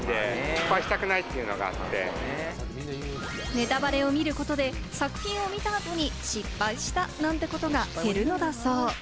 ネタバレを見ることで作品を見た後に失敗したなんてことが減るのだそう。